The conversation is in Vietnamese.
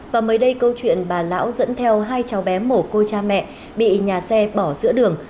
và mới đây câu chuyện bà lão dẫn theo hai cháu bé mổ côi cha mẹ bị nhà xe bỏ giữa đường